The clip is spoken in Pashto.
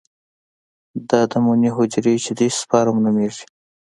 دا د مني حجرې چې دي سپرم نومېږي.